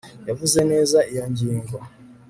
yavuze neza iyo ngingo